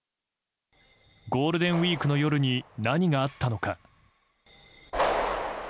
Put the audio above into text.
ゴールデンウィークの夜に何があったのか。